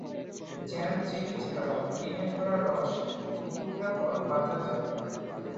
Jam, jelly ছাড়াও টিনে ভরা রস ও টুকরা ফল বাজারজাত হয়।